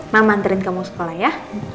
mama anterin kamu sekolah ya